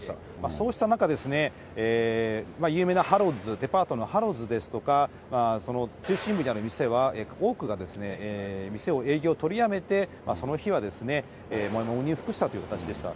そうした中、有名なハロッズ、デパートのハロッズですとか、その中心部にある店は、多くが店を営業を取りやめて、その日は喪に服したという形でした。